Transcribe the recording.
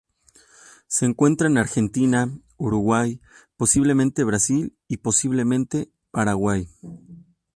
Se encuentra en Argentina, Uruguay, posiblemente Brasil y posiblemente Paraguay.